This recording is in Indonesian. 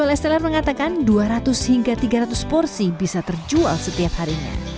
esteller mengatakan dua ratus hingga tiga ratus porsi bisa terjual setiap harinya